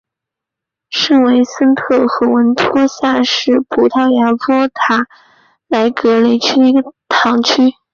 圣维森特和文托萨是葡萄牙波塔莱格雷区的一个堂区。